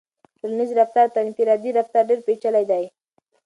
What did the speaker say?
ټولنیز رفتار تر انفرادي رفتار ډېر پیچلی دی.